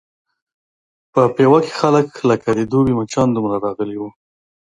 په پېوه کې خلک لکه د دوبي مچانو دومره راغلي وو.